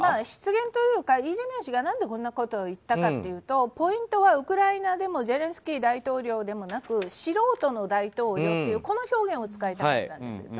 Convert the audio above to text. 失言というかイ・ジェミョン氏が何でこんなことを言ったかというとポイントはウクライナでもゼレンスキー大統領でもなく素人の大統領というこの表現を使いたかったんです。